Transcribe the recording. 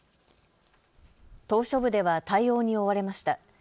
島しょ部では対応に追われました。